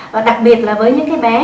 và đặc biệt là với những cái bé